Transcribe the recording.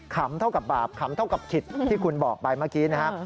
ำเท่ากับบาปขำเท่ากับขิดที่คุณบอกไปเมื่อกี้นะครับ